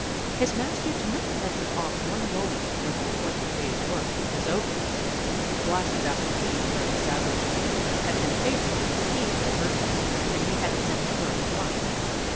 His master did not let him off one moment before the appointed day's work was over, Blasi's application to learn the saddler's trade had been favorably received by Gertrude and he had set to work at once.